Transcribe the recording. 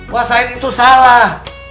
wasain itu salah